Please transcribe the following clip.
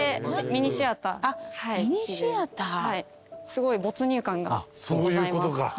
すごい没入感がございます。